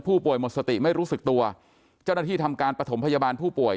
หมดสติไม่รู้สึกตัวเจ้าหน้าที่ทำการปฐมพยาบาลผู้ป่วย